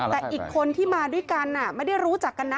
แต่อีกคนที่มาด้วยกันไม่ได้รู้จักกันนะ